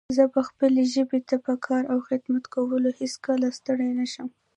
زه به خپلې ژبې ته په کار او خدمت کولو هيڅکله ستړی نه شم